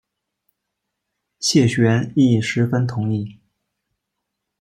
谢玄亦十分同意。